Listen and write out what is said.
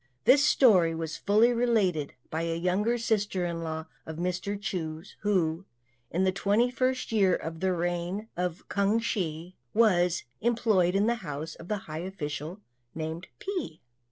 This story was fully related by a younger sister in law of Mr. Chu's, who, in the twenty first year of the reign K'ang Hsi, was employed in the house of a high official named Pi.